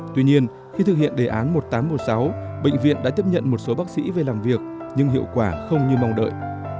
tuy nhiên khi thực hiện đề án một nghìn tám trăm một mươi sáu bệnh viện đã tiếp nhận một số bác sĩ về làm việc nhưng hiệu quả không như mong đợi